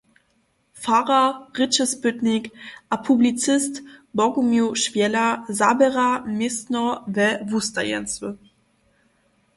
Farar, rěčespytnik a publicist Bogumił Šwjela zaběra městno we wustajeńcy.